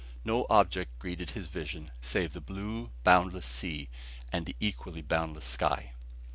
No object greeted his vision, save the blue, boundless sea, and the equally boundless sky.